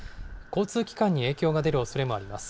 交通機関に影響が出るおそれがあります。